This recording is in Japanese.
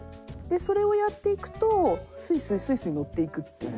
それをやっていくとスイスイスイスイ乗っていくっていう。